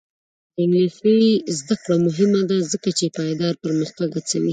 د انګلیسي ژبې زده کړه مهمه ده ځکه چې پایداره پرمختګ هڅوي.